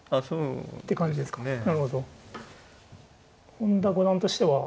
本田五段としては。